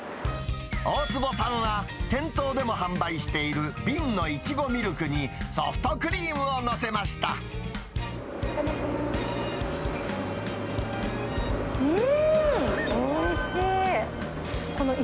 大坪さんは、店頭でも販売している瓶のイチゴミルクに、ソフトクリームを載せんー、おいしい。